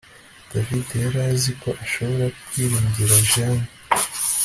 David yari azi ko ashobora kwiringira Jane